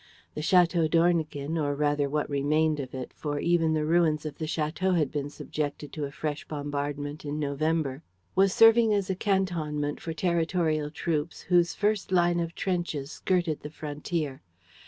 The Château d'Ornequin, or rather what remained of it for even the ruins of the château had been subjected to a fresh bombardment in November was serving as a cantonment for territorial troops, whose first line of trenches skirted the frontier.